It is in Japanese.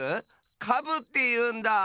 カブっていうんだ！